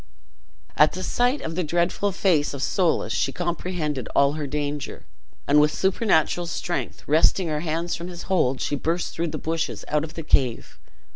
At the sight of the dreadful face of Soulis she comprehended all her danger, and with supernatural strength, wresting her hands from his hold, she burst through the bushes out of the cave.